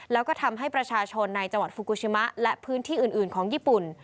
แล้วก็ทำให้ประชาชนในจังหวัดฟูกูชิมะและพื้นที่อื่นของญี่ปุ่น